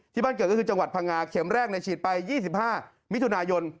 บ้านเกิดก็คือจังหวัดพังงาเข็มแรกในฉีดไป๒๕มิถุนายน